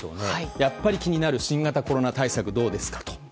やっぱり気になる新型コロナ対策はどうですかと。